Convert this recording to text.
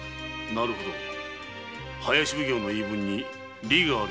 なるほど林奉行の言い分に理があるように思える。